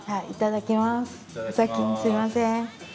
いただきます。